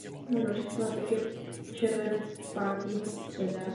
Další tři mladší bratři měli za kmotry příslušníky kapucínského řádu v Pise.